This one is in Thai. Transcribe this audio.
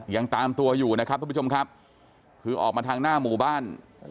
ยังตามตัวอยู่นะครับทุกผู้ชมครับคือออกมาทางหน้าหมู่บ้าน